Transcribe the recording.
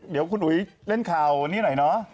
เดี๋ยวคุณอุ๋ยเล่นข่าวนี้หน่อยเนอะ